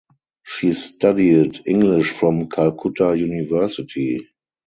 She studied English from Calcutta University.